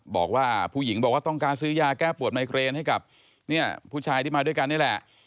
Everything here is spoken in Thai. บอกว่าผู้หญิงบอกว่าต้องการซื้อยาแก้ปวดไมเกรนให้กับผู้ชายที่มาด้วยกันนี่แหละ